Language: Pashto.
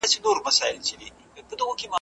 خره به هره ورځ ویل چي لویه خدایه `